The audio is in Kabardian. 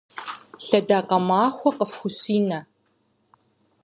Лъэдакъэ махуэ къыфхущинэ!